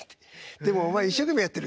「でもお前一生懸命やってる。